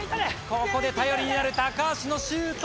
ここで頼りになる高橋のシュート！